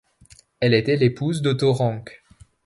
Elle était l'épouse d'Otto Rank.